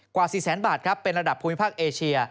กว่า๔แสนบาทครับเป็นระดับภูมิภาคเอเชีย